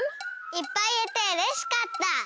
いっぱいいえてうれしかった。